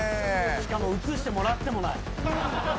しかも映してもらってもない。